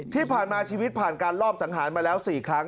ที่ผ่านมาชีวิตผ่านการรอบสังหารมาแล้ว๔ครั้ง